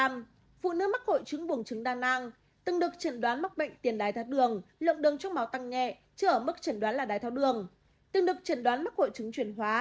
phụ nữ mắc hội chứng vùng chứng đa nang từng được chẩn đoán mắc bệnh tiền đáy thái đường lượng đường trong máu tăng nhẹ chưa ở mức chẩn đoán là đáy thái đường từng được chẩn đoán mắc hội chứng chuyển hóa